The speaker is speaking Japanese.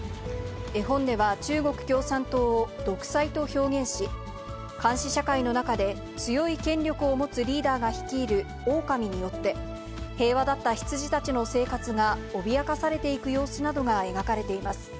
絵本では中国共産党を独裁と表現し、監視社会の中で強い権力を持つリーダーが率いるオオカミによって、平和だった羊たちの生活が脅かされていく様子などが描かれています。